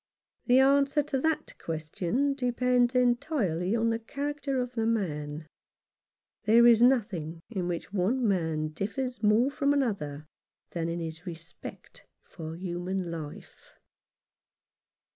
The answer to that question depends entirely on the character of the man. There is nothing in which one man differs more from another than in his respect for human life.